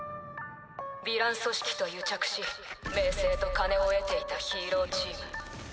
ヴィラン組織と癒着し名声と金を得ていたヒーローチーム。